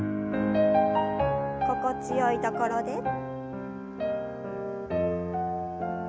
心地よいところで。